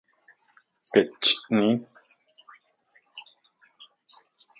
¿Kech nin?